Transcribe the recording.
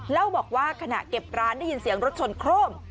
เล่าบอกว่าขณะเก็บร้านได้ยินเสียงรถชนโครม